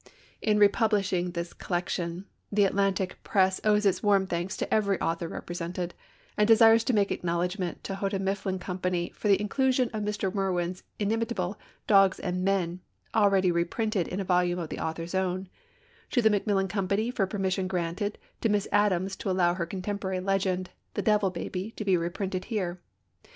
In republishing this collection, The Atlantic Press owes its warm thanks to every author represented, and desires to make acknowledgment to Houghton Mifflin Company for the inclusion of Mr. Merwin's inimitable 'Dogs and Men,' already reprinted in a volume of the author's own; to the Macmillan Company for permission granted to Miss Addams to allow her contemporary legend 'The Devil Baby' to be reprinted here.